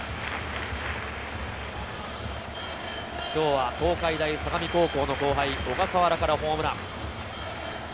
今日は東海大相模高校の後輩、小笠原からホームラン。